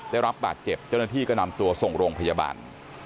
ได้รับบาดเจ็บเจ้าหน้าที่ก็นำตัวส่งโรงพยาบาล